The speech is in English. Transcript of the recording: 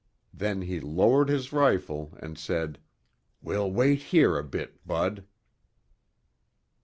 Then he lowered his rifle and said, "We'll wait here a bit, Bud."